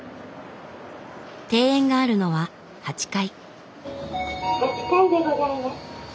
庭園があるのは８階。